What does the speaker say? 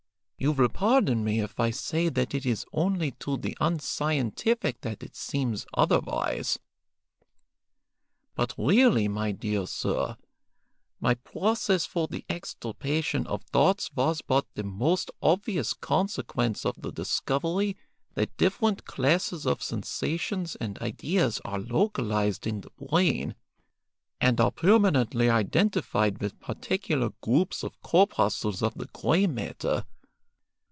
You will pardon me if I say that it is only to the unscientific that it seems otherwise. But really, my dear sir, my process for the extirpation of thoughts was but the most obvious consequence of the discovery that different classes of sensations and ideas are localized in the brain, and are permanently identified with particular groups of corpuscles of the grey matter.